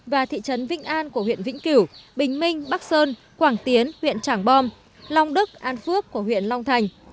và thị trấn vĩnh an của huyện vĩnh cửu bình minh bắc sơn quảng tiến huyện trảng bom long đức an phước của huyện long thành